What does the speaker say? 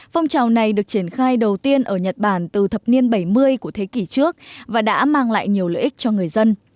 phong trào này được triển khai đầu tiên ở nhật bản từ thập niên bảy mươi của thế kỷ trước và đã mang lại nhiều lợi ích cho người dân